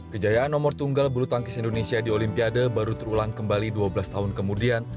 kejayaan nomor tunggal bulu tangkis indonesia di olimpiade baru terulang kembali dua belas tahun kemudian